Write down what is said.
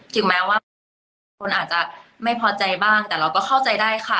ถึงแม้ว่าบางทีหลายคนอาจจะไม่พอใจบ้างแต่เราก็เข้าใจได้ค่ะ